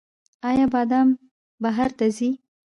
آیا بادام بهر ته ځي؟